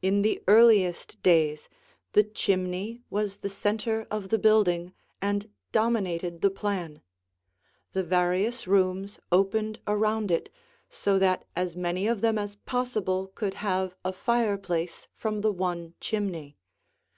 In the earliest days, the chimney was the center of the building and dominated the plan. The various rooms opened around it, so that as many of them as possible could have a fireplace from the one chimney.